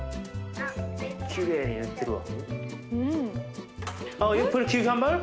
きれいに塗ってるわ。